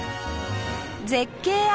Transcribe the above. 絶景あり！